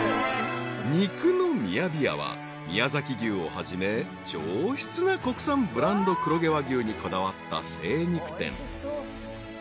［宮崎牛をはじめ上質な国産ブランド黒毛和牛にこだわった精肉店］